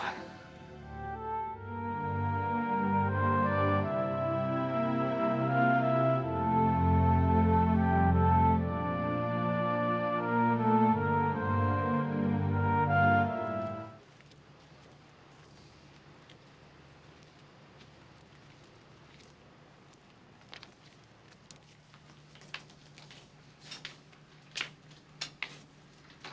saya mau berumur